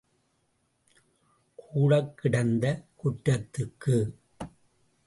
கூடக் கிடந்த குற்றத்துக்கு.